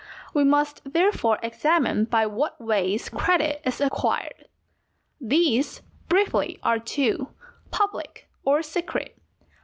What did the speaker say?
We must therefore examine by what ways credit is acquired. These, briefly, are two, public or secret.